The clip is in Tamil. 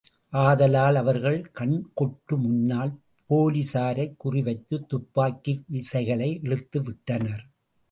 ஆதலால் அவர்கள் கண்கொட்டு முன்னால் போலிஸாரைக் குறிவைத்துத் துப்பாக்கி விசைகளை இழுத்துவிட்டனர்.